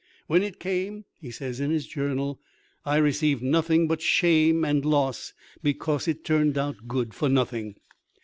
When it came, he says in his journal, "I received nothing but shame and loss, because it turned out good for nothing."